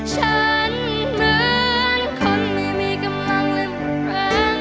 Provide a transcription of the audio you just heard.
ฉันเหมือนคนไม่มีกำลังลืม